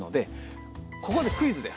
ここでクイズです！